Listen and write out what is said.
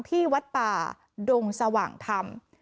ที่วัดป่าดงสว่างธรรม